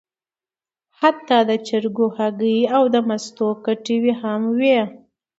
حتی د چرګو هګۍ او د مستو کټوۍ هم وې.